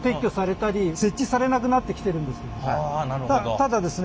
ただですね